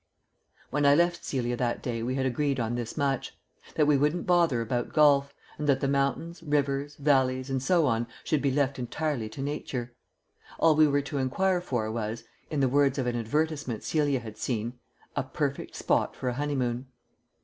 When I left Celia that day we had agreed on this much: that we wouldn't bother about golf, and that the mountains, rivers, valleys, and so on should be left entirely to nature. All we were to enquire for was (in the words of an advertisement Celia had seen) "a perfect spot for a honeymoon."